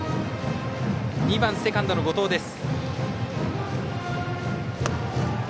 ２番セカンドの後藤です。